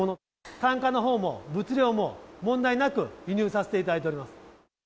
単価のほうも物量も、問題なく輸入させていただいております。